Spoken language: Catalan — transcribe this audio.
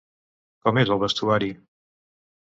Com és el vestuari?